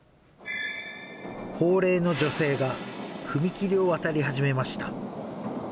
高齢の女性が踏切を渡り始めました。